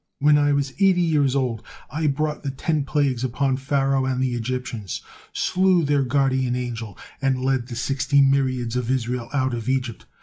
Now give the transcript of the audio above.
When I was eighty years old, I brought the ten plagues upon Pharaoh and the Egyptians, slew their guardian angel, and led the sixty myriads of Israel out of Egypt.